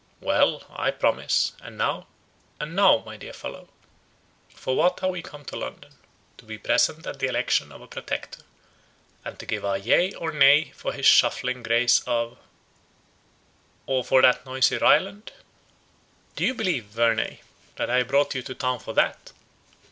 "Well, I promise. And now— " "And now, my dear fellow, for what are we come to London? To be present at the election of a Protector, and to give our yea or nay for his shuffling Grace of——? or for that noisy Ryland? Do you believe, Verney, that I brought you to town for that?